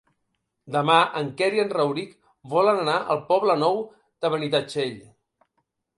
Demà en Quer i en Rauric volen anar al Poble Nou de Benitatxell.